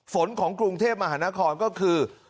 ของกรุงเทพมหานครก็คือ